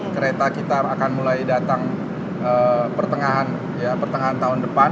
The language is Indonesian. kereta kita akan mulai datang pertengahan tahun depan